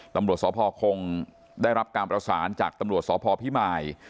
ตำรวจสพคงได้รับการประสานจากตำรวจสพพิมาย